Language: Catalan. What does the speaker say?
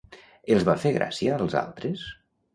Els va fer gràcia als altres?